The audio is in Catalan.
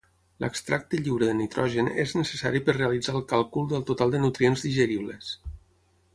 L'extracte lliure de nitrogen és necessari per realitzar el càlcul del total de nutrients digeribles.